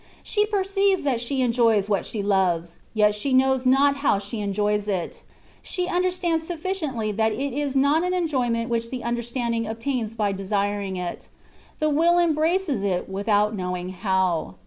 She perceives that she enjoys what she loves, yet she knows not how she enjoys it. She understands sufficiently that it is not an enjoyment which the understanding ob tains by desiring it ; the will embraces it without knowing ^oz^.